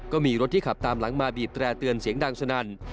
ก็มีรถที่ขับตามหลังมาบีบแตร่เตือนเสียงดังสนั่น